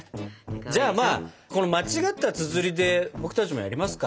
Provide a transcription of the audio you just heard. じゃあまあこの間違ったつづりで僕たちもやりますか。